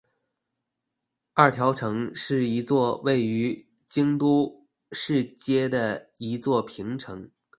二条城是一座位于京都市街的一座平城。